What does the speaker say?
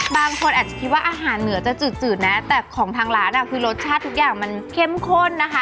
บางคนอาจจะคิดว่าอาหารเหนือจะจืดนะแต่ของทางร้านอ่ะคือรสชาติทุกอย่างมันเข้มข้นนะคะ